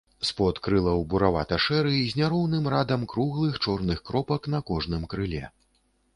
Спод крылаў буравата-шэры з няроўным радам круглых чорных кропак на кожным крыле.